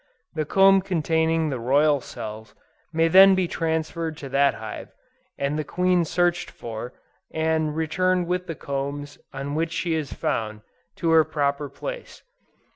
The comb containing the royal cells may then be transferred to that hive, and the queen searched for, and returned with the combs on which she is found, to her proper place.